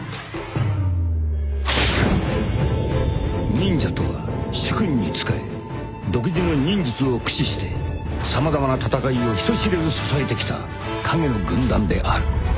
［忍者とは主君に仕え独自の忍術を駆使して様々な戦いを人知れず支えてきた影の軍団である］